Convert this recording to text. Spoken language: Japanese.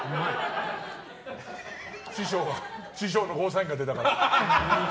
師匠のゴーサインが出たから。